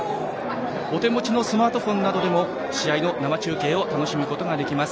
お手持ちのスマートフォンなどでも試合の生中継を楽しむことができます。